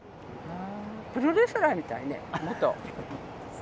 プロレスラーみたいね、元。